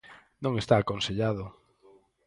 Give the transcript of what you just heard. "Non está aconsellado".